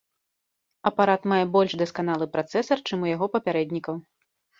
Апарат мае больш дасканалы працэсар, чым у яго папярэднікаў.